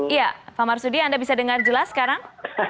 iya pak ammar sudi anda bisa dengar jelas sekarang